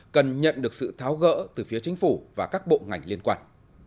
cần nhận được sự tháo gỡ từ phía chính phủ và các bộ ngành liên quan